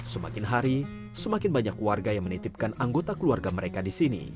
semakin hari semakin banyak warga yang menitipkan anggota keluarga mereka di sini